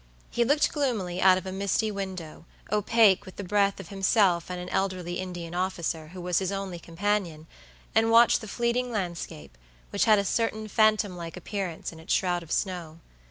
He looked gloomily out of the misty window, opaque with the breath of himself and an elderly Indian officer, who was his only companion, and watched the fleeting landscape, which had a certain phantom like appearance in its shroud of snow.